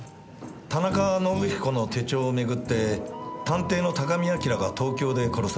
田中伸彦の手帳を巡って探偵の高見明が東京で殺された。